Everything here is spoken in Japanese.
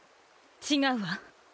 違うわ。